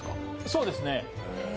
そうですね。